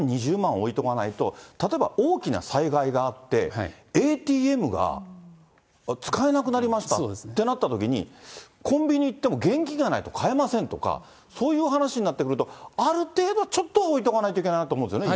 置いとかないと、例えば大きな災害があって、ＡＴＭが使えなくなりましたってなったときに、コンビニ行っても現金がないと買えませんとか、そういう話になってくると、ある程度ちょっとは置いとかないといけないなと思うんですよね。